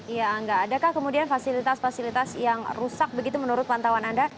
iya angga adakah kemudian fasilitas fasilitas yang rusak begitu menurut pantauan anda